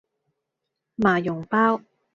麻蓉包